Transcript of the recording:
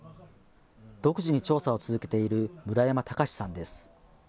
独自に調査を続けている村山隆さんです。